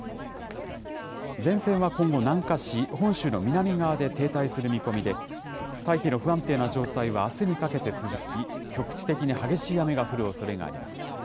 前線は今後、南下し、本州の南側で停滞する見込みで、大気の不安定な状態はあすにかけて続き、局地的に激しい雨が降るおそれがあります。